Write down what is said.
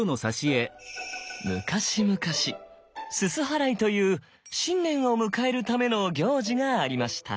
昔々煤払いという新年を迎えるための行事がありました。